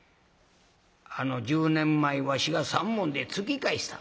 あの１０年前わしが３文で突き返した。